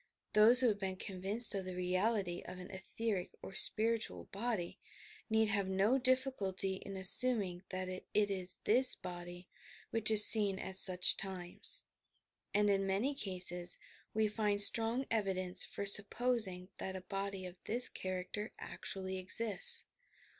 Those who have been convinced of the reality of an etheric or spiritual body, need have no difBciUty in assnming that it is this body which is seen at such times, and in many cases we find strong evidence for supposing that a body of this character actually exists.